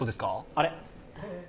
あれ？